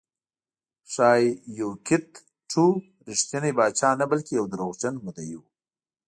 ښایي یوکیت ټو رښتینی پاچا نه بلکې یو دروغجن مدعي و